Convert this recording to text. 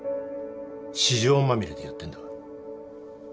私情まみれでやってんだわ。